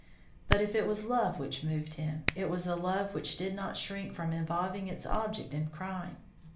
But if it was love which moved him, it was a love which did not shrink from involving its object in crime.